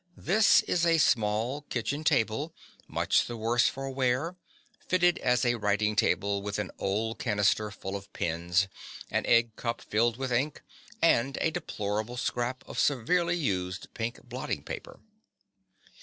This is a small kitchen table, much the worse for wear, fitted as a writing table with an old canister full of pens, an eggcup filled with ink, and a deplorable scrap of severely used pink blotting paper.